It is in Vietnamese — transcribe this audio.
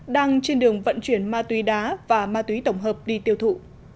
đang trên đường vận chuyển ma túy đá và ma túy tổng hợp đi tiêu thụ